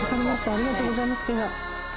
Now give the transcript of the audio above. ありがとうございます。